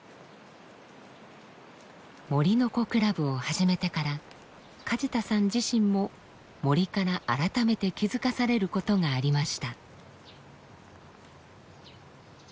森の子クラブを始めてから梶田さん自身も森から改めて気付かされることがありました。